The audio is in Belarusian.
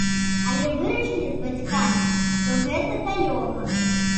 Але вырашылі з бацькамі, што гэта далёка.